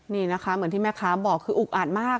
นี่นะคะเหมือนที่แม่ค้าบอกคืออุกอาดมาก